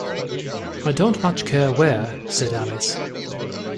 ‘I don’t much care where—’ said Alice.